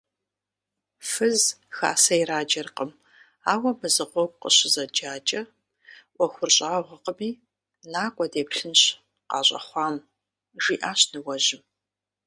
Фыз хасэ ираджэркъым, ауэ мызыгъуэгу къыщызэджакӀэ, Ӏуэхур щӀагъуэкъыми, накӀуэ, деплъынщ къащӀэхъуам, – жиӏащ ныуэжьым.